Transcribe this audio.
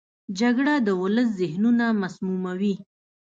جګړه د ولس ذهنونه مسموموي